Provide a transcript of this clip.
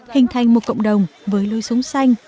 hình thành một cộng đồng với lôi sống xanh